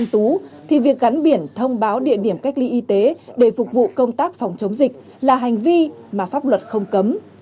thông báo địa điểm cách ly y tế để phục vụ công tác phòng chống dịch là hành vi mà pháp luật không cấm